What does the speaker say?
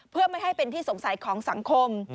เพื่อไม่ให้เป็นที่สงสัยของสังคม